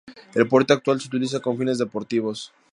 El puerto actual se utiliza con fines deportivos.